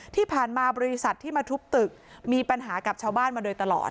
ที่ผ่านมาบริษัทที่มาทุบตึกมีปัญหากับชาวบ้านมาโดยตลอด